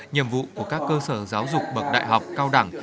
nhiệm vụ của các cơ sở giáo dục bậc đại học cao đẳng